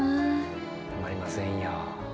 たまりませんよ。